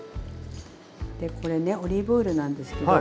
でこれねオリーブオイルなんですけど。